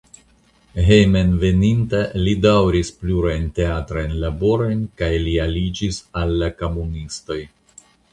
Hejmenveninta li daŭris plurajn teatrajn laborojn kaj li aliĝis al la komunistoj.